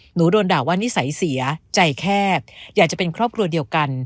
โดนด่าว่านิสัยเสียใจแคบอยากจะเป็นครอบครัวเดียวกัน